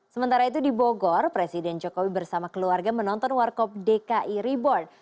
sementara itu di bogor presiden jokowi bersama keluarga menonton warkop dki reborn